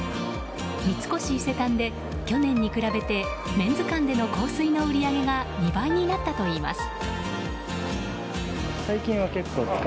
三越伊勢丹で去年に比べてメンズ館での香水の売り上げが２倍になったといいます。